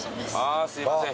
あすいません。